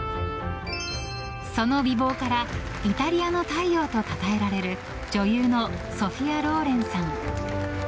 その美貌からイタリアの太陽とたたえられる女優のソフィア・ローレンさん。